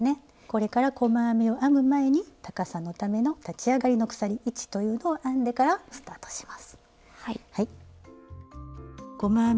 これから細編みを編む前に高さのための立ち上がりの鎖１というのを編んでからスタートします。